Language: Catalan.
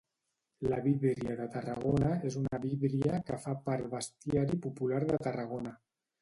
La Víbria de Tarragona és una víbria que fa part bestiari popular de Tarragona